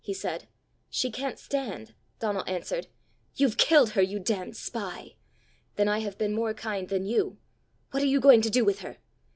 he said. "She can't stand," Donal answered. "You've killed her, you damned spy!" "Then I have been more kind than you!" "What are you going to do with her?"